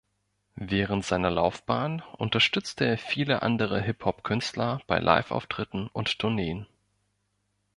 Während seiner Laufbahn unterstützte er viele andere Hip-Hop-Künstler bei Live-Auftritten und Tourneen.